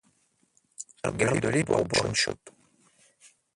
Garde-les pour boire une chope…